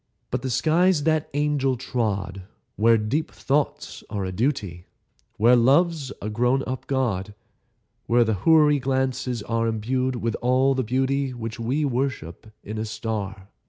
But the skies that angel trod, Where deep thoughts are a duty, Where Love's a grown up God, Where the Houri glances are Imbued with all the beauty Which we worship in a star.